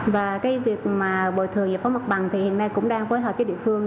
và cái việc mà bồi thường giải phóng mặt bằng thì hiện nay cũng đang phối hợp với địa phương